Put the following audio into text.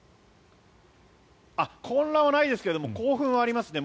混乱はないですけども興奮はありますね。